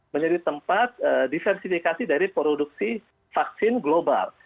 menjadi tempat diversifikasi dari produksi vaksin global